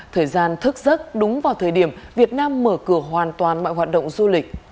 thời gian thức giấc đúng vào thời điểm việt nam mở cửa hoàn toàn mọi hoạt động du lịch